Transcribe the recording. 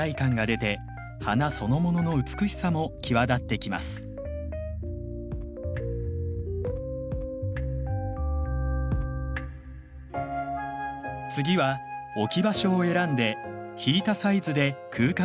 次は置き場所を選んで引いたサイズで空間と一緒に撮影します。